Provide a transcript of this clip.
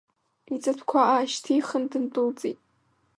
Иҵатәқәа аашьҭихын дындәылҵит.